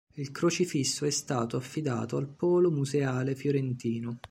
Il crocifisso è stato affidato al Polo Museale Fiorentino.